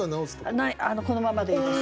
このままでいいです。